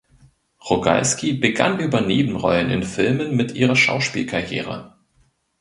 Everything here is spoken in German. Rogalski begann über Nebenrollen in Filmen mit ihrer Schauspielkarriere.